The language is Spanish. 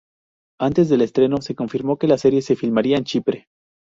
Antes del estreno se confirmó que la serie se filmaría en Chipre.